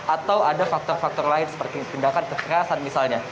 atau ada faktor faktor lain seperti tindakan kekerasan misalnya